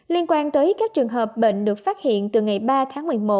liên quan tới các trường hợp bệnh được phát hiện từ ngày ba tháng một mươi một